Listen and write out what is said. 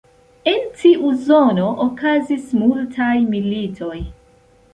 En tiu zono okazis multaj militoj.